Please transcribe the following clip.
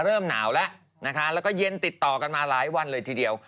เริ่มหนาวแล้วนะคะแล้วก็เย็นติดต่อกันมาหลายวันเลยทีเดียว